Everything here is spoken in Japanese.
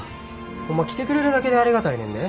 ホンマ来てくれるだけでありがたいねんで。